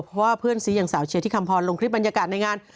เพราะว่าเพื่อนซีอย่างสาวเชียร์ที่คำพรลงคลิปบรรยากาศในงาน